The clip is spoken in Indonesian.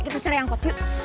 kita serai angkot yuk